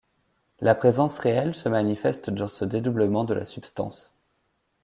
La présence réelle se manifeste dans ce dédoublement de la substance.